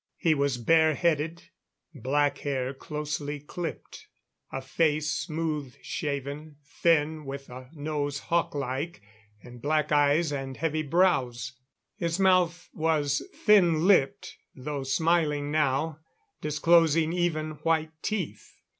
He was bareheaded; black hair closely clipped. A face smooth shaven. Thin, with a nose hawk like, and black eyes and heavy brows. His mouth was thin lipped, though smiling now, disclosing even, white teeth.